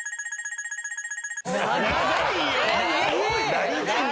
何⁉